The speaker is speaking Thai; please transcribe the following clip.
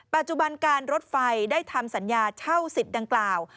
ปัจจุบันการรถไฟได้ทำสัญญาเช่าสิทธิ์ดังกล่าว